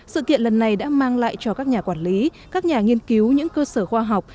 sự kiện lần này đã mang lại cho các nhà quản lý các nhà nghiên cứu những cơ sở khoa học